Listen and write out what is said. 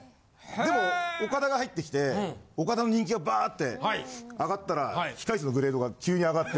でもオカダが入ってきてオカダの人気がバーって上がったら控室のグレードが急に上がって。